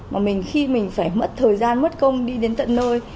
mà mình khi mình phải mất thời gian mất công đi đến tận nơi